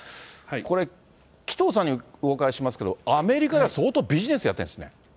これ、紀藤さんにお伺いしますけど、アメリカで相当ビジネスやってるんですね。